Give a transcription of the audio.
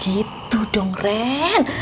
gitu dong ren